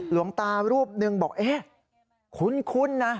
หลวงตารูปหนึ่งบอกเอ๊ะคุ้นนะ